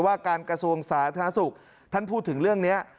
ว่าการกระทรวงสาธารณสุขท่านพูดถึงเรื่องนี้